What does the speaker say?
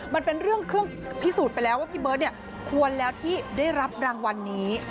มันเป็นเรื่องเครื่องพิสูจน์ไปแล้วว่าพี่เบิร์ตควรแล้วที่ได้รับรางวัลนี้